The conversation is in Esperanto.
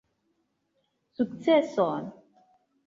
Sukceson!